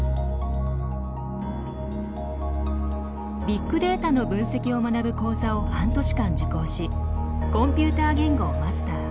ビッグデータの分析を学ぶ講座を半年間受講しコンピューター言語をマスター。